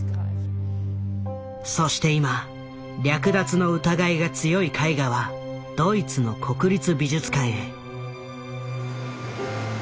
そして今略奪の疑いが強い絵画はドイツの国立美術館へ。